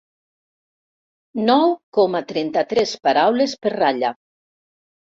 Nou coma trenta-tres paraules per ratlla.